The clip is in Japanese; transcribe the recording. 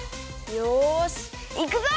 よしいくぞ！